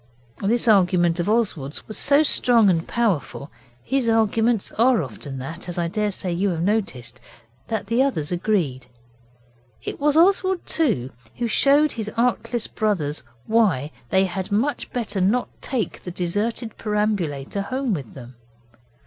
This argument of Oswald's was so strong and powerful his arguments are often that, as I daresay you have noticed that the others agreed. It was Oswald, too, who showed his artless brothers why they had much better not take the deserted perambulator home with them.